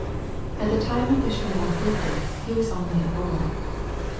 At the time when Ishmael did this he was only a boy.